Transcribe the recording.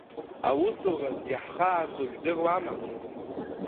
Аусураз иаҳхааго жәдыруама?